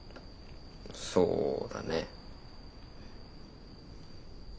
そうだね。